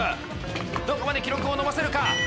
どこまで記録を伸ばせるか？